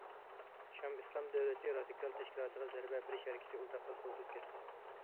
‹‹ شام ئىسلام دۆلىتى›› رادىكال تەشكىلاتىغا زەربە بېرىش ھەرىكىتى ئۇزاققا سوزۇلۇپ كەتتى.